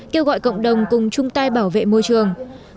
kêu gọi cộng đồng cùng chung tay bảo vệ môi trường